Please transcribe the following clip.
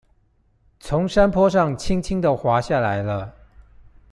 從山坡上輕輕的滑下來了